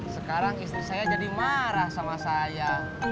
sekarang istri saya jadi marah sama saya